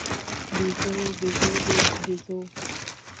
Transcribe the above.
بیزو، بیزووې، بیزوو